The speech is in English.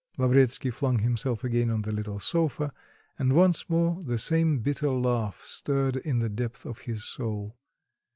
Lavretsky flung himself again on the little sofa, and once more the same bitter laugh stirred in the depth of his soul.